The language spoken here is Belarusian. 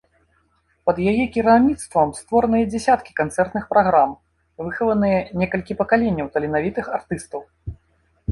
Пад яе кіраўніцтвам створаныя дзесяткі канцэртных праграм, выхаваныя некалькі пакаленняў таленавітых артыстаў.